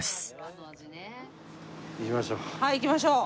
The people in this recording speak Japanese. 行きましょう。